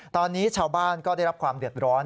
ตอนนี้ชาวบ้านก็ได้รับความเดือดร้อน